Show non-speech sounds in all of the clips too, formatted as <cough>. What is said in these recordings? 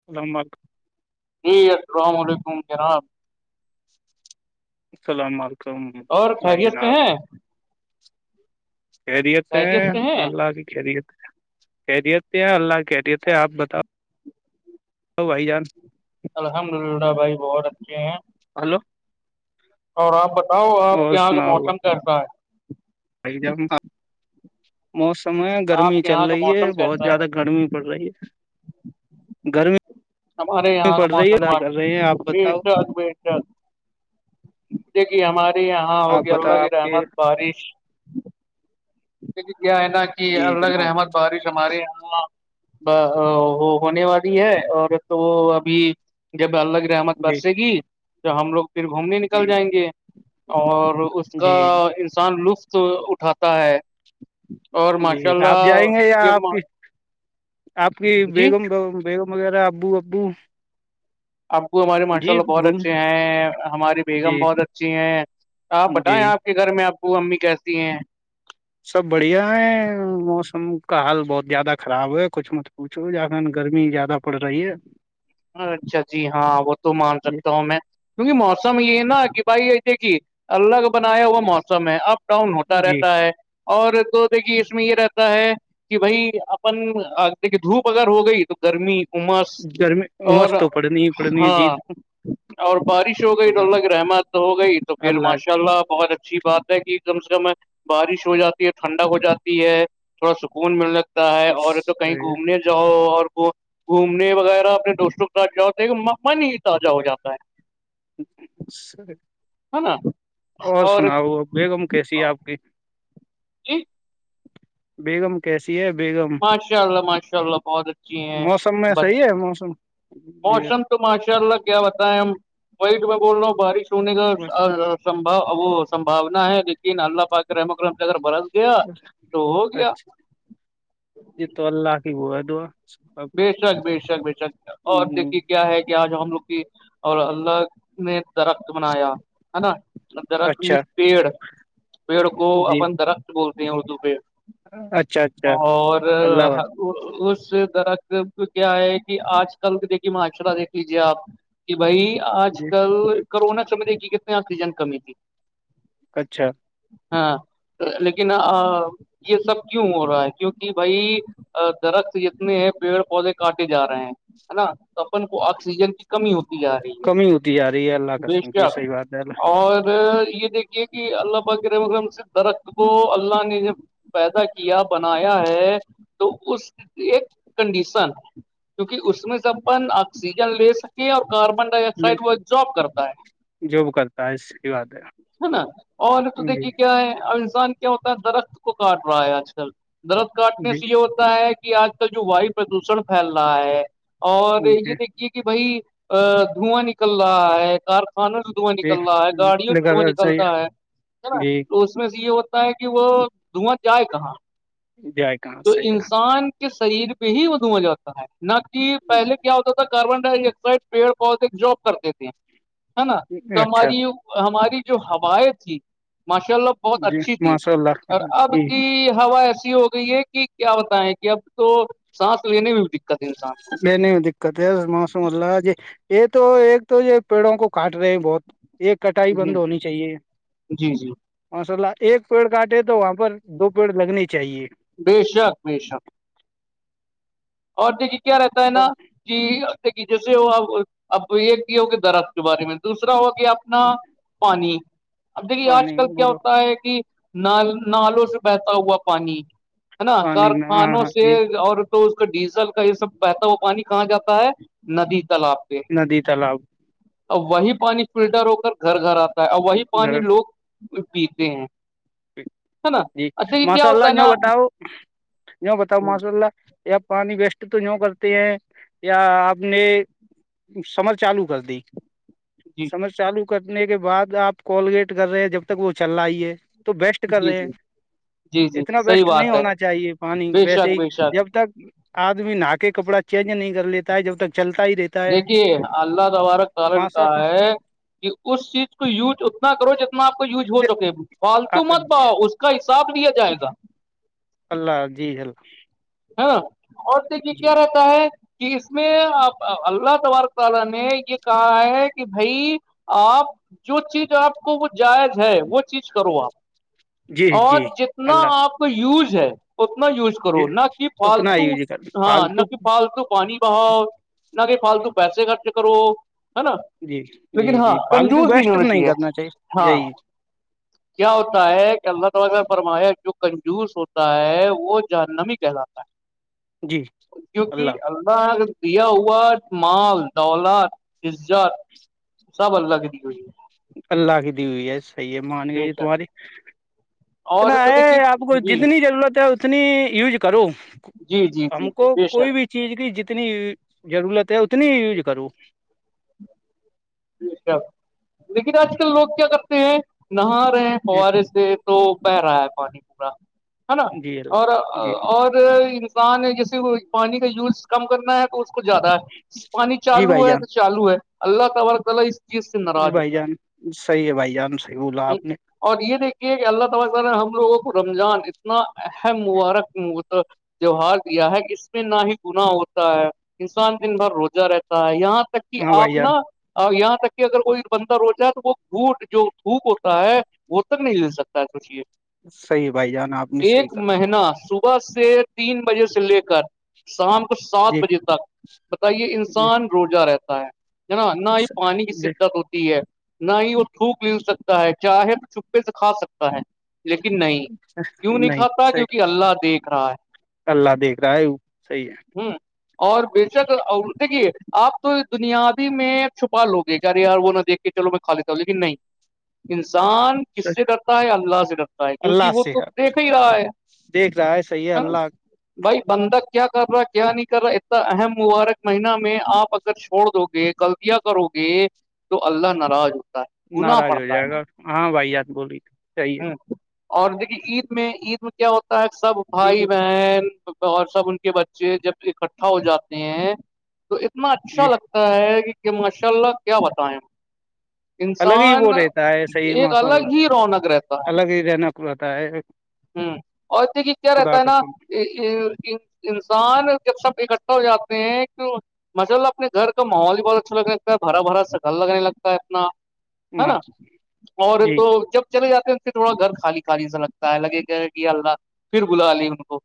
<unintelligible> جی السلام علیکم جناب <unintelligible> اور بھائی خیریت جناب ہیں خیریت ہے سے ہیں اللہ کی خیریت ہے خریت سے ہیں اللہ کی کیہریت ہے آپ بتاؤ بتاؤ بھائی جان الحمد للہ بھائی بہت اچھے ہیں ہلو اور آپ بتاؤ آپ کے اور یہاں کا موسم کیسا ہے آ ج موسم ہے گرمی آپ کے چل یہاں کا رہی ہے موسم بہت کیسا ہے زیادہ گرمی پڑ رہی ہے گرمی ہمارے یہاں کا پڑ رہی موسم ہے کر رہے ہیں آپ بی بتاؤ ش بی ش دیک کہ ہمارے یہاں آپ ہوگی اللہ بتاؤ کی آپ کے رحمت بارش کیا ہے نا کہ جی الگ جناب رحمت بارش ہمارے یہاں وہ ہونے والی ہے اور تو وہ ابھی جب اللہ رحمت جی برسے گی تو ہم لوگ پھر گھومنے جی نکل جائیں گے اور اس کا جی انسان لطف اٹھاتا ہے اور جی ماشاء آپ اللہ جائیں گے یا یہ آپ ما... کی آپ کی جی بیگم <unintelligible> بیگ وغیرہ ابو ابو ابگو ہمارے ماشاء جی اللہ بہت گھوم اچھے ہیں ہماری بیگم جی بہت اچھی ہے آپ جی بتائیں آپ کے گھر میں ابو امی کیسی ہیں سب بڑھیا ہے موسم کا حال بہت زیادہ خراب ہے کچھ مت پوچھ چ جخان گرمی زیادہ پڑ رہی ہے اچھا جی ہاں وہ تو مان جی سکتا ہوں میں کیونکہ موسم یہ ہے نا کہ بھائی ای تھے کہ الگ بنایا وہا موسم ہے اپ ڈاؤن ہوتا جی رہتا ہے اور دو دیکھیے اس میں یہ رہتا ہے کہ بھائی اپن دیکھیے دھوپ اگر ہو گئی تو گرمی امس گرمی مس اور تو پڑنی ہی پڑھنی ہے جی ہاں اور بارش ہو گئی تو خدا اللہ کی رحمت ہو گئی تو پھر ماشاء اللہ بہت اچھی بات ہے کہ <unintelligible> کم سے کم بارش ہو جاتی ہے ٹھنڈا ہو جاتی ہے تھوڑا سکون مل ج ہے تا ہے اور تو کہیں صحیح ہے، گھومنے جاؤ اور گھومنے وغیرہ اپنے دوستوں کے ساتھ جاؤتا ہے من ہی تازہ ہو جاتا ہے <unintelligible> سر ہے نا اور سناؤ بیگم کیسی ہے آپ کی <unintelligible> ا <unintelligible> بیگم کیسی ہے بیگم ماشاء اللہ ماشاء اللہ بہت اچھی ہیں موسم میں بچ صحیح ہے موسم جی موسم تو ماشاء اللہ کیا بتائے ہم وائٹ میں بول رہا ہوں بارش ہونے کا بس سبھا وہ سبانا ہے لیکن اللہ پاک کرم کرم سے اگر برس <unintelligible> گیا بس تو ہو گیا <unintelligible> جی تو اللہ کی ہو ہے دوا بے شک بے شک بے شک اور ہ دیکے کیا ہے ج ہم لوگ کی اور اللہ نے درخت بنایا ہے نا درخت اچھا میں پیڑ پیڑ کو جی اپن درخت <unintelligible> بولتے ہیں اردو پہ اچھا اچھا اور اللہ حافظ <unintelligible> اس درخت کو کیا ہے کہ آج کل دیکے معاشاءلہ دیکھ لیجے آپ <unintelligible> کہ بھائی آج جی کل کرونا ک دیکھیے کتنے آکسیجن کمی تھی اچھا ہاں لیکن یہ سب کیوں ہو رہا ہے کیوںک بھائی درخت جتنے ہیں پیڑ پودے کاٹے جا رہے ہیں نا سپن کو آکسیجن کی <unintelligible> کمی ہوتی جا رہی کمی ہوتی جا رہی ہے اللہ ہےدش قسم کی کیا صحیح بات ہے اور یہ دیکھ یہ کہ اللہ پ کے ر مرم سے درخت کو اللہ نے جب پیدا کیا بنایا ہے تو اس ایک <unintelligible> کنڈیشن کیونکہ اس میں سےب اپن آکسیجن لے سکیں اور کاربن <unintelligible> اللہ سائڈ وہ جاب کرتا ہے <unintelligible> بس کی بات ہے <unintelligible> ہے نا اور تو جی دیکھیے کیا ہے الزان <unintelligible> ہوتا ہے درخت کو کاٹ رہا ہے آج کل درخت کاٹنے جی سے یہ ہوتا ہے کہ آج کل جو وائف <unintelligible> پردوشن پھیل رہا ہے اور یہ جی دیک <unintelligible> کہ بھائی دھواں نکل رہا ہے کارخانہ <unintelligible> دھواں جی نکل رہا ہے گاڑیوں سے لگا دھواں صحیح نکلتا ہے ہے نا تو <unintelligible> اس میں سے یہ ہوتا ہے کہ وہ دھواں جائے کہاں <unintelligible> جائے <unintelligible> تو انسان <unintelligible> شریر پہ ہی وہھواں جاتتا ہے نہ کہ پہلے کیا ہوتا تھا کاربن ڈائی آکسائڈ پیڑ پہے جاب کرتے تھے ہے نا ہے تو اچھا ہماری ہماری جو ہوائیں تھی ماشاء اللہ بہت جی اچھی تھی ماشاء اللہ اور اب جی کی ہوا ایسی ہوگی تو یہ کہ کیا بتائیں کہ اب تو سانس لینے میں بھی دقت ہے انسان کو نہیں نہیں دقت ہے موسم اللہ جی یہ تو ایک تو یہ پیڑوں کو کاٹ رہے ہیں بہت ایک کٹائی جی بند جی ہونی چاہیے جی جی مسء اللہ ایک پیڑ کاٹے تو وہاں پر دو پیڑ لگنے چاہیے ب شک ب شک اور دیکھیے کیا رہتا ہے نا اور ج جیسے اب ایک بھی ہو کہ درخت کے بارے میں دوسرا ہو اپنا پانی اب دیکھیے آج پانی کل کیا بولو ہوتا ہے کہ ن نالوں سے بہتا ہوا پانی ہے نا پانی ہاں کارخانوں ہاں سے جی اور اس کا ڈیزل کا یہ سب بہتا ہو وہ پانی کہاں جاتا ہے ندی تالاب پہ ندی تالاب ا وہی پانی فلٹر ہو کر گھر گھر آتا ہے اور وہی پانی گھر لوگ پیتے ہیں ہے نا جی دیکھیے کیا ماشاء اللہ ہوتا ہے یوں نا بتاؤ یوں بتاؤ ماشاء اللہ یا پانی ویسٹ تو یوں کرتے ہیں یا آپ نے سمر چالو کر دی جی سمج چالو کرنے کے بعد آپ کولگیٹ کر رہے ہیں جب تک وہ چل رہا ہی ہے تو بیسٹ کر جی رہے ہیں جی جی جی اتنا صحیح بیسٹ نہیں بات ہے ہونا چاہیے پانی بے ویسے شک ہی بے شک جب تک آدمی نہا کے کپڑا چینج نہیں کر لیتا ہے جب تک چلتا ہی رہتا ہے دیکھیے اللہ تبارک سالن ماشاء کہا اللہ ہے کہ اس چیز کو یوج اتنا کرو جتنا آپ کو یوز ہو سکے فالتو مت پاؤ اس کا حساب لیا جائے گا اللہ جی اللہ ہے نا اور دیکھیے جی کیا رہتا ہے اس میں اللہ تبار تعالی نے یہ کہا ہے کہ بھائی آپ جو چیز آپ کو وہ جائز ہے وہ چیز کرو آپ جی اور جی جتنا اللہ آپ کو یوز ہے اتنا یوز جی کرو نہ اتنا پالتو ہی جی کر ہاں فالتو نہک پال فالتو پانی بہاؤ نہ کہ فالتو پیسے خرچ کرو ہے نا جی لیکن جی ہاں جی فالتو کنجوز بیسٹ نہیں بھیونٹی ہے کرنا چاہیے ہاں یہی کیا ہوتا ہے کہ اللہ تعالی نے فرمایا جو کنجوس ہوتا ہے وہ جاننمی کہلاتا جی کیک اللہ کے دٹ مال دولت عزت سب الگ کی ہوئیی اللہ کی دی ہوئییس یے مان بے گئی ج شک تمہاری اتنا اور تو دیکھیے ہے آپ کو جی جتنی ضرورت ہے <unintelligible> اتنی یوز کرو جی جی جی ہم کو جی بے کوئی شک بھی چیز کی جتنی ضرورت ہے اتنی یوز کروں اچھا لیکن آج کل لوگ کیا کرتے ہیں نہا رہے ہیں جی فوارے سے تو بہہ رہا ہے پانی پورا ہے نا جی اور اللہ جی اور انسان جیسے پانی کا یوز کم کرنا ہے تو اس کو زیادہ ہے پانی جی بھائی چالو ہے جان تو چالو ہے اللہ تبارک تعال اس چیز سے ج ناراض بھائی ہوتا ہے جان صحیح ہے بھائی جان صحیح بولا آپ نے <unintelligible> اور یہ دیکھیے کہ اللہ توبق نے ہم لوگوں کو رمضان اتنا اہم مبارکتا جوہار دیا ہے کہ اس میں نہ ہی گناہ ہوتا ہے انسان دن بھر روزہ رہتا ہے یہاں تک کہ ہاں بھائی آپ جان نا یہاں تک کہ اگر کوئی بندر ہوتا ہے تو وہ دوٹ جو تھوک ہوتا ہے وہ تک نہیں لل سکتا ہے سوچے صحیح ہے بھائی جان آپ نے صحیح ایک کہا مہینہ س <unintelligible> صبح سے تین بجے سے لے کر <unintelligible> شام کو سات جی بجے تک بتائیے جی انسان روزہ رہتا ہے ہے نا نہ ہی پانی کی جی شت ہوتی ہے <unintelligible> نہ ہی وہ تھوک ل سکتا ہے چاہے تو چھپے سے کھا سکتا ہے <unintelligible> لیکن نہیں وں نہیں کھاتا کیوںکہ اللہ دیکھ رہا ہے <unintelligible> اللہ دیکھ رہا ہے وہ صحیح ہے اور بے شک دیکھیے آپ تو بنیادی میں چھپا لو گے یارے یار وہ نہا دیکھ کے چلو میں کا لیتا ہوں لیکن نہیں انسان ہے کس سے ڈرتا ہے اللہ سے ڈرتا ہے کیونکہ اللہ وہ سے تو ہے دیکھ ہی رہا ہے دیکھ رہا ہے صحیح ہے نا اللہ بھائی بندک کیا کر رہا ہے کیا نہیں کر رہا اتنا اہم مبارک مہینہ میں آپ اگر چھوڑ دو گے کل کرو گے تو اللہ ناراض ہوتا ہے گنا ناراض ہو پڑتا جائے گا ہاں بھائی ات بول رہی <unintelligible> ہے ہ اور دیکھیے عید میں عید میں کیا ہوتا ہے سب ٹھیک بھائی ہے بہن اور سب ان کے بچے جب اکٹھا ہو جاتے ہیں تو اتنا اچھا جی لگتا ہے کہ ماشاء اللہ کیا بتائیں <unintelligible> الگ ہی انسان وہ رہتا ہے صحیح ایک ماشاء الگ اللہ ہی رونق رہتا ہ الگ ہی رہنق رہتا ہے اور د کہ کیا خدا رہتا ہے نا قسم <unintelligible> انسان جب سب اکٹھا ہو جاتے ہیں کہ مچا اللہ اپنے گھر کا ماحول بھی بہت اچھا لگنے لگتا ہے بھرا بھرا گل لگنے لگتا ہے اپنا <unintelligible> ہے نا اور جی تو جب چلے جاتے ہیں پھر تھوڑا گھر خالی خالی سا لگتا ہے لگے کہ کہ اللہ پھر بلا لے ان کو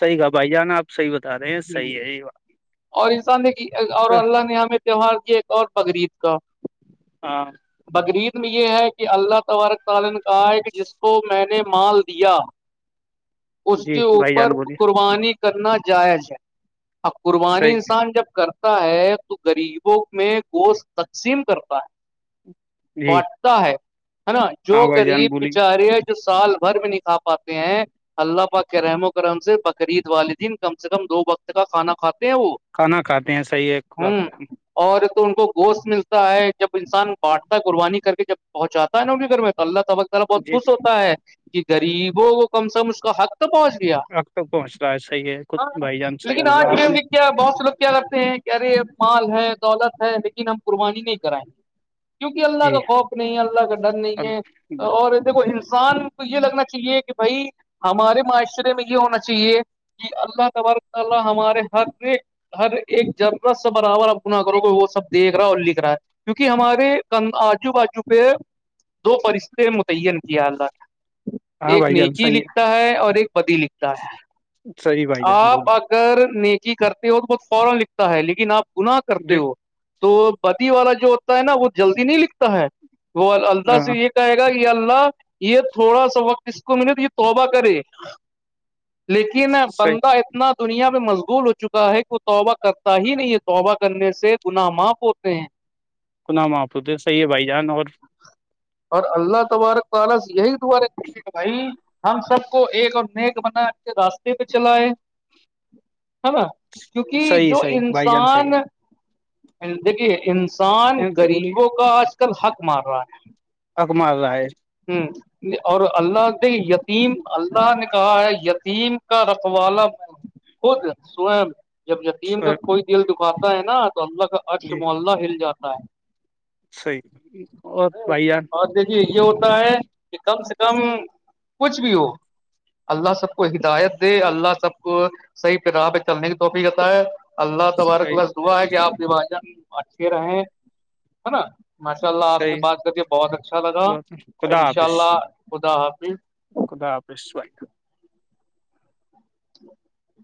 صحی کا بھائی جان آپح بتا رہے ہیں ہوں، صحی ہے یہیات <unintelligible> اور انسان نے اور اللہ نے ہمیں تیوار کیا ایک اور بقریید کا ہاں بقریید میں یہ ہے کہ اللہ تبارک تعالن کا ایک جس کو میں نے مال دیا اس جی کے بھائی اوپر جان بولیے قربانی کرنا جائز ہے اب قربانی صحیح انسان جب کر ہے تو گغریبوں میں گوشت تقسیم کرتا ہے جی بٹ ہے ہے نا جو ہاں بھائی جان غریب بولیے بچارے جو سال بھر میں نہیںکھا پاتے ہیں <unintelligible> اللہ پ کے رحم و کرم سے بقرعید والدین کم سے کم دو وقت کا کھانا کھاتے ہیں وہ <unintelligible> کھانا کھاتے ہیں صحیح ہے ہوں اور تو ان کو گوشت ملتا ہے جب انسان بانٹتا قربانی کر کے جب پہچاتا ہے نا کہ پھر میں تو اللہ تبق تلہ بہت جی خوش ہوتا ہے کہ غریبوں کو کم سے کم اس کا حق پہنچ گیا اب تک پہنچ رہا ہے صحیح ہے خود ہاں بھائی جان صحیح لیکن بولا آج آپ کے نے کیا بہت سے لوگ کیا لگتے ہیں کہہ رے مال ہے دولت ہے لیکن ہم قربانی نہیں کرائیں گے کیونکہ اللہ جی کا خوف نہیں ہے اللہ کا ڈر نہیں ہے اور دیکھو انسان کو یہ لگنا چاہیے کہ بھائی ہمارے معاشرے میں یہ ہونا چاہیے کہ اللہ تبارک وتعالی ہمارے ہر ایک ہر ایک ذراہ سا برابر آپ گنا کرو گے وہ سب دیکھ رہا ہے اور لکھ رہا ہے کیونکہ ہمارے آجو باجو پہ دو فرشتے متعین کیا اللہ نے ہاں ایک بھائی جان نیکی صحیح لکھتا ہے اور ایک بدی لکھتا ہے صحیح بھائی جان آپ بولیے اگر نیکی کرتے ہو تو فورن لکھتا ہے لیکن اپ گناہ کرتے جی ہو تو بدی والا جو ہوتا ہے نا وہ جلدی نہیں لکھتا ہے وہ اللہ ہاں سے یہ کہے گا کہ یا اللہ یہ تھوڑا سا وقت اس کو ملے تو یہ توبہ کرے لیکن صحیح بندہ اتنا دنیا میں مشگول ہو چکا ہے کہ وہ توبہ کرتا ہی نہیں ہے توبہ کرنے سے گنا ماف ہوتے ہیں گناہ ماف ہوتے صحیح ہے بھائی جان اور اور اللہ تبارک و تعالی سے یہی دعت رہتی ہے کہ بھائی ہم سب کو ایک اور نیک بنا کے راستے پہ چلائے ہے نا کیونکہ صحیح جو صحیح بھائی جان صحیح انسان دیکھیے انسان ہے بولیے غریبوں کا آج کل حق مار رہا ہے حق مار رہا ہے ہمم اور اللہ دے یتیم اللہ نے کہا ہے یتیم کا رکھوا <unintelligible> جب یتیم کا ہے کوئی دل دکھاتا ہے نا تو اللہ کا عرش جی ملہ ہل جاتا ہے صحیح اور بھائی یار اور دیکھیے یہ ہوتا ہے کہ کم سے کم کچھ بھی ہو اللہ سب کو ہدایت دے اللہ سب کو صحیح راہ پہ چلنے کی توفیق عتائے اللہ تبارک و صحیح تعالی سے دعا ہے کہ آپ بھی ماشاءاللہ اچھے رہیں ہے نا ماشاء اللہ آپ سے صحیح بات کر کے بہت اچھا لگا خدا ان شاء حافظ اللہ خدا حافظ خدا حافظ بھائی جان <inaudible>